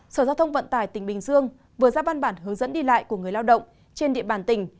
sở giao thông vận tải tỉnh bình dương vừa ra văn bản hướng dẫn đi lại của người lao động trên địa bàn tỉnh